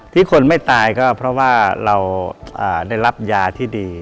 ที่คนไม่ตายก็เพราะว่าเราได้รับยาที่ดี